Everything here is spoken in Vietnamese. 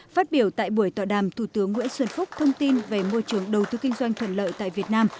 phát biểu tại buổi tọa đàm thủ tướng nguyễn xuân phúc thông tin về môi trường đầu tư kinh doanh thuận lợi tại việt nam